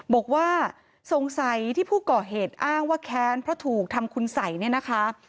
บอกว่าสงสัยที่ผู้ก่อเหตุอ้างว่าแค้นเพราะถูกทำคุณสัยเนี่ยนะคะ